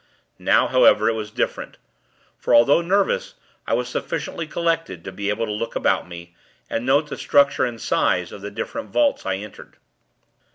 Now, however, it was different; for, although nervous, I was sufficiently collected to be able to look about me, and note the structure and size of the different vaults I entered.